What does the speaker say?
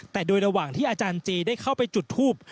แต่โดยระหว่างที่อาจารย์เจได้เข้าไปจุดทูบ